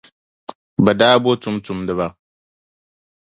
Bɛ daa bo tumtumdiba.